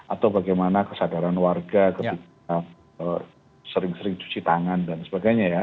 atau bagaimana kesadaran warga ketika sering sering cuci tangan dan sebagainya ya